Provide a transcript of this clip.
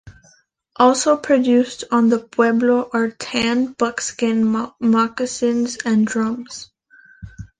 Also produced on the pueblo are tanned buckskin moccasins and drums.